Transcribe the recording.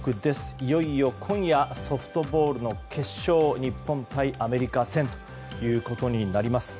いよいよ今夜ソフトボールの決勝日本対アメリカ戦となります。